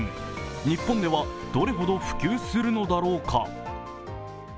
日本ではどれほど普及するのだろうか。